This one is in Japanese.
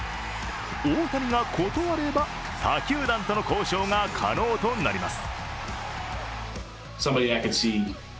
大谷が断れば、他球団との交渉が可能となります。